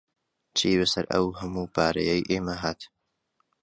چی بەسەر ئەو هەموو پارەیەی ئێمە هات؟